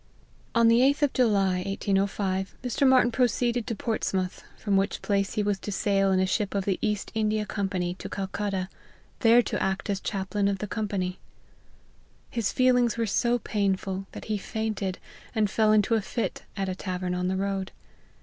On the 8th of July 1805, Mr. Martyn proceeded to Portsmouth, from which place he was to sail in a ship of the East India Company, to Calcutta, there to act as chaplain of the Company. His feelings were so painful, that he fainted and fell into a fit at a tavern on the road.